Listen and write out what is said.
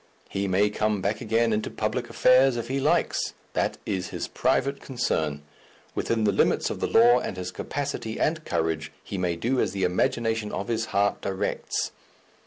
He may come back again into public affairs if he likes that is his private concern. Within the limits of the law and his capacity and courage, he may do as the imagination of his heart directs.